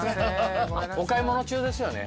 お買い物中ですよね？